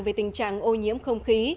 về tình trạng ô nhiễm không khí